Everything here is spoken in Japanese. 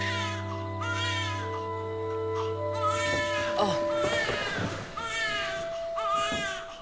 ・あっ。